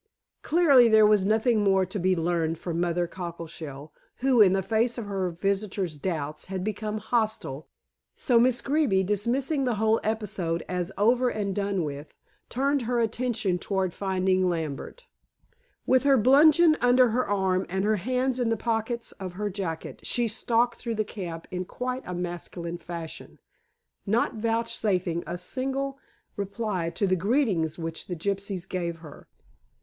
Clearly there was nothing more to be learned from Mother Cockleshell, who, in the face of her visitor's doubts, had become hostile, so Miss Greeby, dismissing the whole episode as over and done with, turned her attention toward finding Lambert. With her bludgeon under her arm and her hands in the pockets of her jacket, she stalked through the camp in quite a masculine fashion, not vouchsafing a single reply to the greetings which the gypsies gave her.